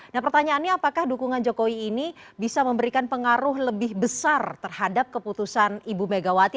nah pertanyaannya apakah dukungan jokowi ini bisa memberikan pengaruh lebih besar terhadap keputusan ibu megawati